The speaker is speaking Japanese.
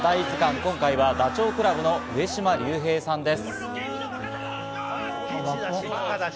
今回はダチョウ倶楽部の上島竜兵さんです。